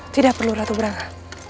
tidak perlu ratu branga